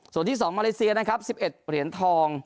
ส่วนที่๒มาเลเซียนะครับ๑๑เหรียญทอง